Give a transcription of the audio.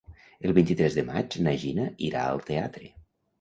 El vint-i-tres de maig na Gina irà al teatre.